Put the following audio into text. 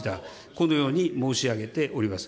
このように申し上げております。